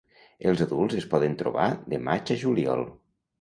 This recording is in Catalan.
Els adults es poden trobar de maig a juliol.